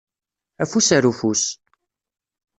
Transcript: Afus ar ufus.